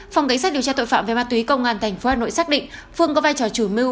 phòng cảnh sát điều tra tội phạm về ma túy công an tp hà nội xác định phương có vai trò chủ mưu